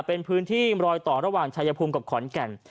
เป็นพื้นที่รอยต่อระหว่างชายภูมิกับขอนแก่น